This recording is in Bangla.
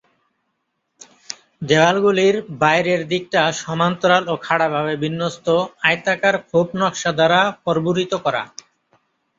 দেওয়ালগুলির বাইরের দিকটা সমান্তরাল ও খাড়াভাবে বিন্যস্ত আয়তাকার খোপ-নকশা দ্বারা কর্বুরিত করা।